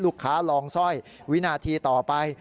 ลูกค้าลองสร้อยวินาทีต่อไป